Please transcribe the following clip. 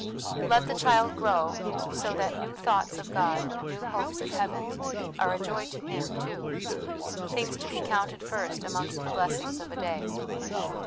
Let the child grow, so that, " New thoughts of God, new hopes of heaven," are a joy to him, too; things to be counted first amongst the blessings of a day.